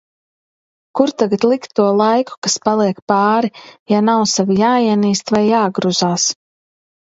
Kur tagad likt to laiku, kas paliek pāri, ja nav sevi jāienīst vai jāgruzās.